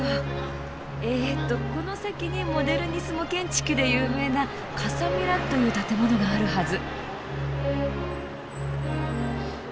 えとこの先にモデルニスモ建築で有名なカサ・ミラという建物があるはず。